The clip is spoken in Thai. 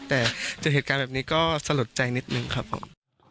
แต่เกิดเหตุการณ์แบบนี้ก็สะหรับใจนิดหนึ่งครับผม